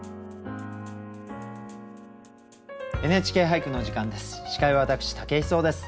「ＮＨＫ俳句」のお時間です。